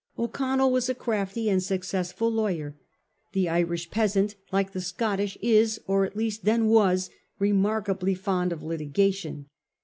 O'Connell was a crafty and successful lawyer. The Irish peasant, like the Scottish, is, or at least then was, remarkably fond of litigation.